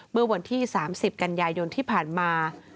เมื่อวันที่๓๐กันยายนที่ผ่านมา